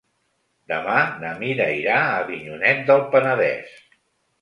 Demà na Mira irà a Avinyonet del Penedès.